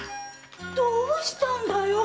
どうしたんだよ